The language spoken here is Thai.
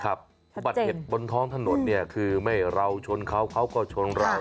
อุบัติเหตุบนท้องถนนเนี่ยคือไม่เราชนเขาเขาก็ชนเรา